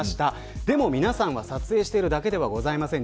皆さんは撮影しているだけではありません。